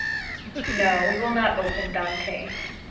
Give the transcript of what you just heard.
No, we will not open Dante.